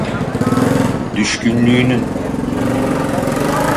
Düşkünlüğünün.